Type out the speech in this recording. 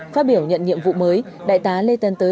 phát biểu nhận nhiệm vụ mới đại tá lê tân tới